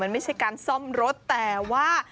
มันไม่ใช่การซ่อมรถแต่ว่า